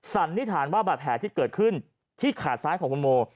สันนิษฐานว่าบาดแผลที่เกิดขึ้นที่ขาซ้ายของคุณโม